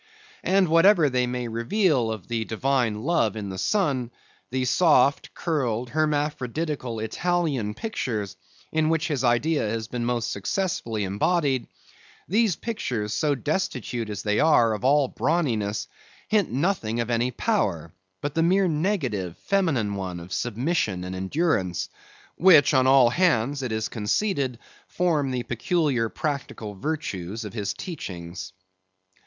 And whatever they may reveal of the divine love in the Son, the soft, curled, hermaphroditical Italian pictures, in which his idea has been most successfully embodied; these pictures, so destitute as they are of all brawniness, hint nothing of any power, but the mere negative, feminine one of submission and endurance, which on all hands it is conceded, form the peculiar practical virtues of his teachings.